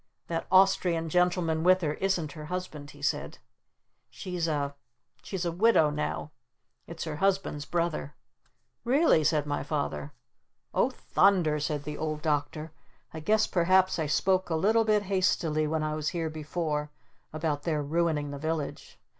"That Austrian gentlemen with her isn't her Husband," he said. "She's a she's a widow now. It's her Husband's brother." "Really?" said my Father. "Oh Thunder!" said the Old Doctor. "I guess perhaps I spoke a little bit hastily when I was here before about their ruining the Village!